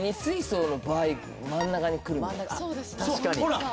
確かに。